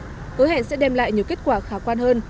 hứa hẹn sẽ đem lại nhiều kết quả khả quan hơn